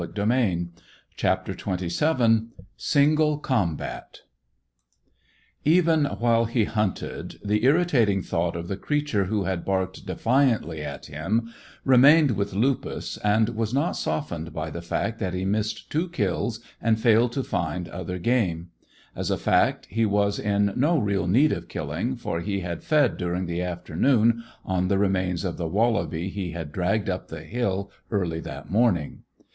CHAPTER XXVII SINGLE COMBAT Even while he hunted, the irritating thought of the creature who had barked defiantly at him remained with Lupus, and was not softened by the fact that he missed two kills and failed to find other game. As a fact, he was in no real need of killing, for he had fed during the afternoon on the remains of the wallaby he had dragged up the hill early that morning.